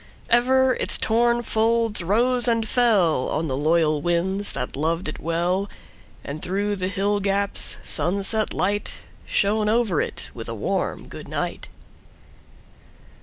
Ever its torn folds rose and fellOn the loyal winds that loved it well; And through the hill gaps sunset lightShone over it with a warm good night.